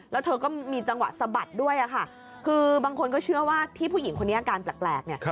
แล้วเธอก็มีจังหวะสะบัดด้วยค่ะคือบางคนก็เชื่อว่าที่ผู้หญิงคนนี้อาการแปลกเนี่ย